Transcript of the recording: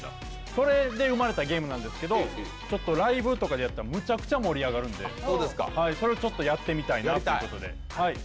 それで生まれたゲームなんですけど、ライブとかでやったらむちゃくちゃ盛り上がるんでそれをちょっとやってみたいなということで。